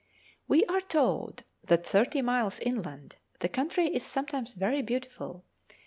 We are told that thirty miles inland the country is sometimes very beautiful.